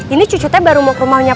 ini cucu teh baru mau ke rumahnya pak